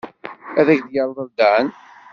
Ad ak-t-yerḍel Dan.